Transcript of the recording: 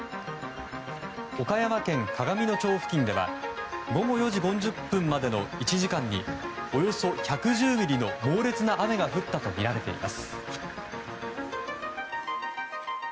岡山県鏡野町付近では午後４時５０分までの１時間におよそ１１０ミリの猛烈な雨が降ったとみられています。